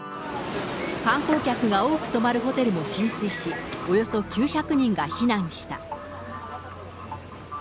観光客が多く泊まるホテルも浸水し、およそ９００人が避難した。